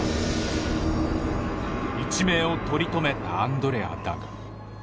一命を取り留めたアンドレアだが。